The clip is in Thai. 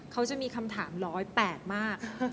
เขาจะมีคำถามร้อยแปดมาก